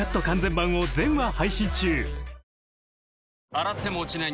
洗っても落ちない